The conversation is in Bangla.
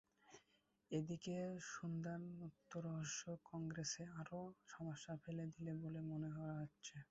এদিকে সুনন্দার মৃত্যু-রহস্য কংগ্রেসকে আরও সমস্যায় ফেলে দিল বলে মনে করা হচ্ছে।